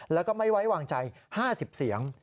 แล้วก็ไม่ไว้วางใจ๕๐เสียง